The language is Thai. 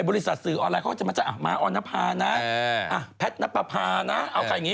บริษัทสื่อออนไลน์เขาก็จะมาจากมาออนภานะแพทนับประภานะเอาไงอย่างนี้